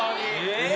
え！